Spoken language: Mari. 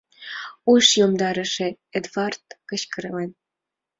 — уш йомдарыше Эдвард кычкырен.